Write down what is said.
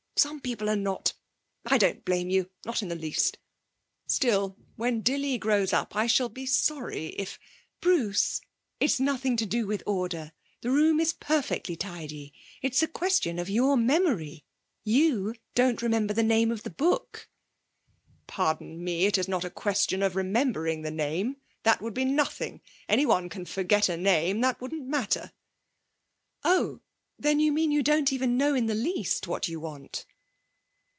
Some people are not. I don't blame you; not in the least. Still, when Dilly grows up I shall be sorry if ' 'Bruce, it's nothing to do with order. The room is perfectly tidy. It's a question of your memory. You don't remember the name of the book.' 'Pardon me, it's not a question of remembering the name; that would be nothing. Anyone can forget a name. That wouldn't matter.' 'Oh, then, you mean you don't even know in the least what you want?'